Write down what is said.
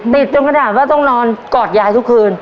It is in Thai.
ติดจนกระดาษว่าต้องนอนกอดยายทุกคืน